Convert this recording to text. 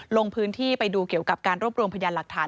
ลงพื้นที่ไปดูเกี่ยวกับการรวบรวมพยานหลักฐาน